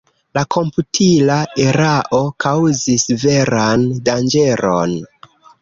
La komputila erao kaŭzis veran danĝeron.